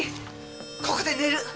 ここで寝る！